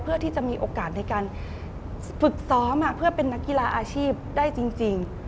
เพื่อที่จะมีโอกาสในการฝึกซ้อมเพื่อเป็นนักกีฬาอาชีพได้จริง